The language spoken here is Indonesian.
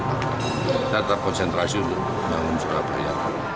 kita terponsentrasi untuk membangun surabaya